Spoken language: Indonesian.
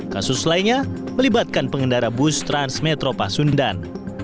kasus lainnya melibatkan pengendara bus transmetro pasundan